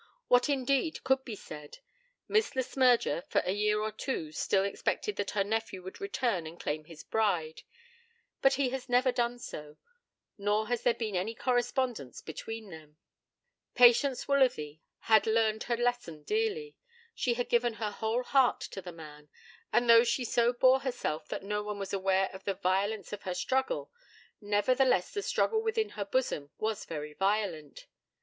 What, indeed, could be said? Miss Le Smyrger for a year or two still expected that her nephew would return and claim his bride; but he has never done so, nor has there been any correspondence between them. Patience Woolsworthy had learned her lesson dearly. She had given her whole heart to the man; and, though she so bore herself that no one was aware of the violence of the struggle, nevertheless the struggle within her bosom was very violent.